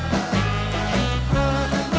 รับทราบ